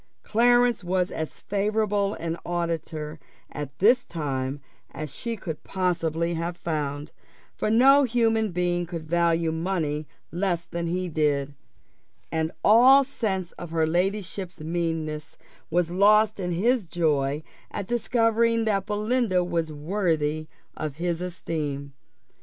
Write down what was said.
Clarence was as favourable an auditor at this time as she could possibly have found; for no human being could value money less than he did, and all sense of her ladyship's meanness was lost in his joy at discovering that Belinda was worthy of his esteem.